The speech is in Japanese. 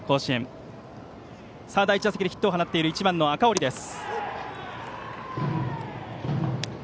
バッターは第１打席でヒットを放っている１番、赤堀です。